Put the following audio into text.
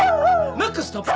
ムックストップ。